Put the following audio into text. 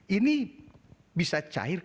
ini bisa cair